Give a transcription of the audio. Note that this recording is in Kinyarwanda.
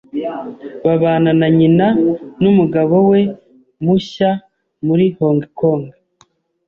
babana na nyina n'umugabo we mushya muri Hong Kong,